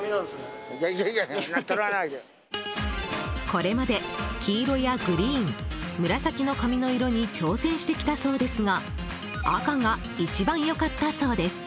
これまで黄色やグリーン紫の髪の色に挑戦してきたそうですが赤が一番良かったそうです。